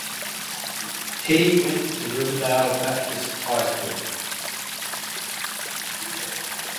He went to Riverdale Baptist High School.